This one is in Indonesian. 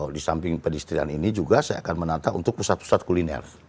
di samping pedestrian ini juga saya akan menata untuk pusat pusat kuliner